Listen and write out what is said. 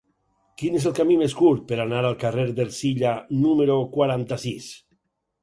Quin és el camí més curt per anar al carrer d'Ercilla número quaranta-sis?